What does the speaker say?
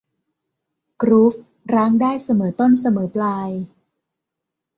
กรู๊ฟ ร้างได้เสมอต้นเสมอปลาย